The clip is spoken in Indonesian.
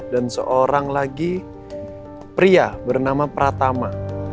dan seorang lagi pria bernama pratama